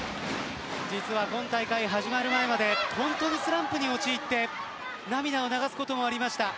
実は今大会、始まる前まで本当にスランプに陥って涙を流すことがありました。